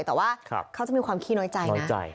แต่ว่าเขาจะมีความขี้น้อยใจนะ